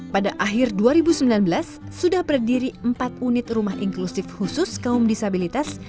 pada akhir dua ribu sembilan belas sudah berdiri empat unit rumah inklusif khusus kaum disabilitas